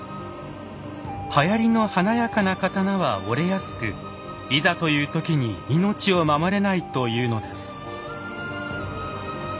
はやりの華やかな刀は折れやすくいざという時に命を守れないというのです。